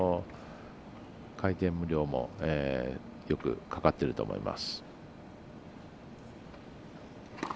回転量もよくかかってると思います。